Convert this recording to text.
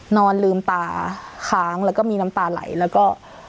นอนลืมตาค้างแล้วก็มีน้ำตาไหลแล้วก็